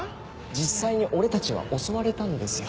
実際に俺たちは襲われたんですよ。